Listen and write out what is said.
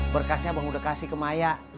berkasnya bang udah kasih ke maya